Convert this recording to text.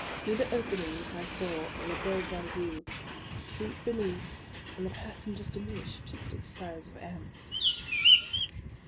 Through the openings I saw, in a bird's eye view, the street beneath, and the passen gers diminished to the si^e of ants.